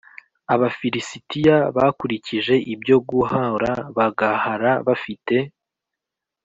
Abafilisitiya bakurikije ibyo guh ra bagah ra bafite